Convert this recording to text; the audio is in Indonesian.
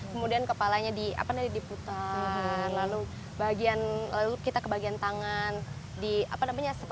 kemudian kepalanya diputar lalu kita ke bagian tangan